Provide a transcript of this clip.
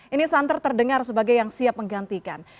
ini santer terdengar sebagai yang siap menggantikan